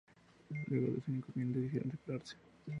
Luego de estos inconvenientes decidieron separarse.